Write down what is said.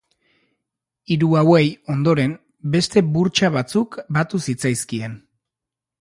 Hiru hauei, ondoren, beste burtsa batzuk batu zitzaizkien.